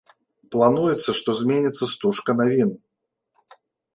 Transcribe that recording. Плануецца, што зменіцца стужка навін.